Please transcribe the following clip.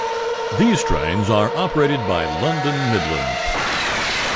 These trains are operated by London Midland.